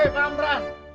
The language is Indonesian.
hei pak amran